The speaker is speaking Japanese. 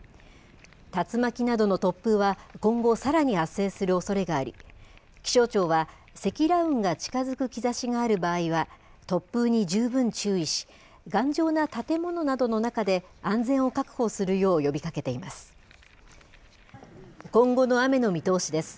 竜巻などの突風は、今後、さらに発生するおそれがあり、気象庁は、積乱雲が近づく兆しがある場合は突風に十分注意し、頑丈な建物などの中で安全を確保するよう呼びかけています。